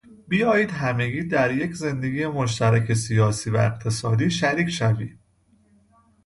بیایید همگی در یک زندگی مشترک سیاسی و اقتصادی شریک شویم.